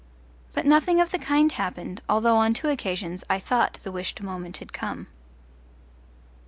But nothing of the kind happened, although on two occasions I thought the wished moment had come.